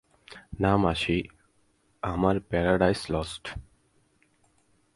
না মাসি, আমার প্যারাডাইস লস্ট।